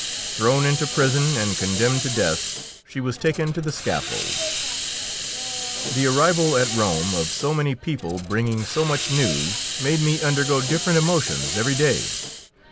Thrown into prison and condemned to death, she was taken to the scaffold. The arrival at Rome of so many people bringing so much news made me undergo different emotions every day.